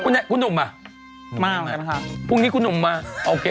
ใช่คุณหนุ่มมาพรุ่งนี้คุณหนุ่มมาโอเค